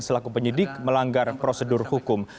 selaku penyidik melanggar prosedur hukum